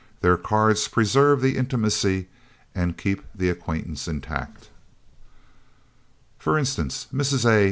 Their cards preserve the intimacy and keep the acquaintanceship intact. For instance, Mrs. A.